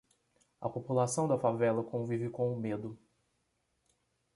A população da favela convive com o medo.